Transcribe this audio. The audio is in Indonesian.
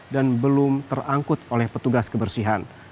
dan belum terangkut oleh petugas kebersihan